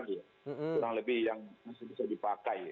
kurang lebih yang masih bisa dipakai